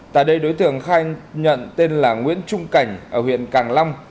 tại đây đối tượng khai nhận tên là nguyễn trung cảnh ở huyện càng long